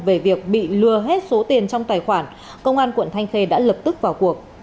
về việc bị lừa hết số tiền trong tài khoản công an quận thanh khê đã lập tức vào cuộc